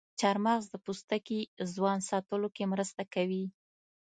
چارمغز د پوستکي ځوان ساتلو کې مرسته کوي.